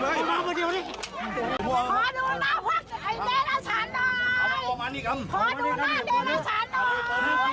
ไอ้สลัมไอ้สลัมด้วยร้ำหนอกูไอ้ไอ้คน